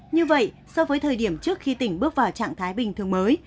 như vậy so với thời điểm trước khi tỉnh bước vào trạng thái bình thường mới